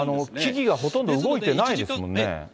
木々がほとんど動いてないですもんね。